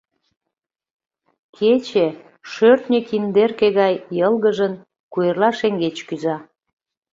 Кече, шӧртньӧ киндерке гай йылгыжын, куэрла шеҥгеч кӱза.